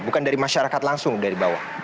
bukan dari masyarakat langsung dari bawah